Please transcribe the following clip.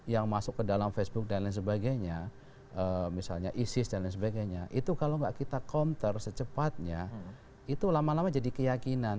yang masuk ke dalam facebook dan lain sebagainya misalnya isis dan lain sebagainya itu kalau nggak kita counter secepatnya itu lama lama jadi keyakinan